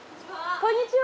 こんにちは。